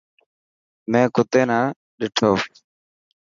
مين ڪتي نا ڏنو.